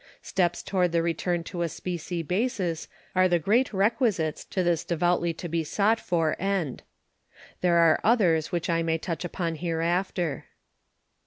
Steps toward the return to a specie basis are the great requisites to this devoutly to be sought for end. There are others which I may touch upon hereafter.